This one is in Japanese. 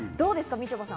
みちょぱさん。